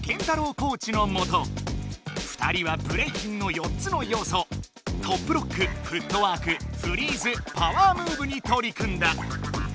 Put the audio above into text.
コーチのもと２人はブレイキンの４つのようそトップロックフットワークフリーズパワームーブにとり組んだ。